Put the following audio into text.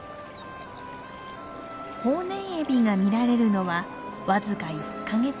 ホウネンエビが見られるのは僅か１か月ほど。